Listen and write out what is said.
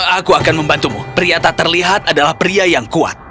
aku akan membantumu pria tak terlihat adalah pria yang kuat